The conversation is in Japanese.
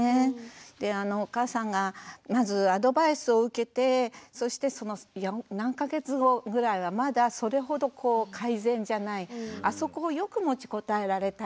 でお母さんがまずアドバイスを受けてそしてその何か月後ぐらいはまだそれほど改善じゃないあそこをよく持ちこたえられたよなぁと。